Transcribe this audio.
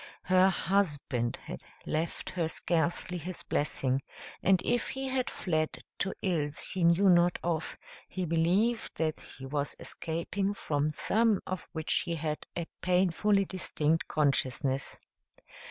Her husband had left her scarcely his blessing, and if he had fled to ills he knew not of, he believed that he was escaping from some of which he had a painfully distinct consciousness.